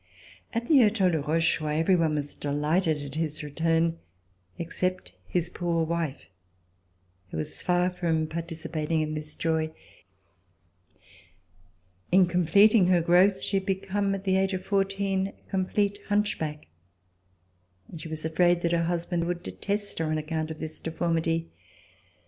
At the Hotel de Rochechouart every one was de lighted at his return, except his poor wife who was far from participating in this joy. In completing her growth she had become, at the age of fourteen, a complete hunchback, and she was afraid that her C64] 1751 I8i0 i I EVE OK THE REVOLUTION husband would detest her on account of this de formity.